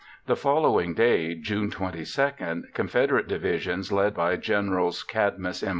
The following day, June 22, Confederate divisions led by Generals Cadmus M.